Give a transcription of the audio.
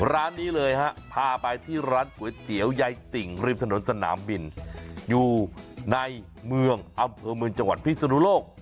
ร้านนี้เลยฮะพาไปที่ร้านก๋วยเตี๋ยวยายติ่งริมถนนสนามบินอยู่ในเมืองอำเภอเมืองจังหวัดพิศนุโลก